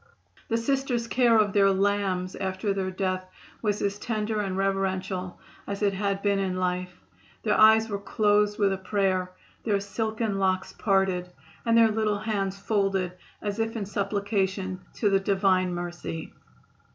The Sisters' care of their "lambs" after their death was as tender and reverential as it had been in life. Their eyes were closed with a prayer, their silken locks parted and their little hands folded as if in supplication to the Divine mercy.